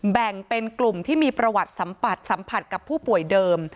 แบ่งเป็นกลุ่มที่มีประวัติสัมผัสกับผู้ป่วยเดิม